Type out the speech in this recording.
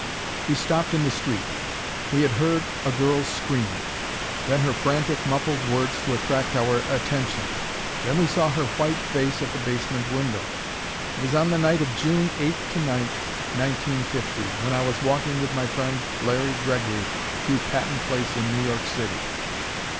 We stopped in the street. We had heard a girl's scream: then her frantic, muffled words to attract our attention. Then we saw her white face at the basement window. It was on the night of June 8 9, 1950, when I was walking with my friend Larry Gregory through Patton Place in New York City.